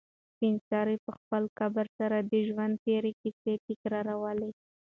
سپین سرې په خپل کبر سره د ژوند تېرې کیسې تکرارولې.